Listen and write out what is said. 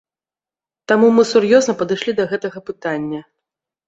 Таму мы сур'ёзна падышлі да гэтага пытання.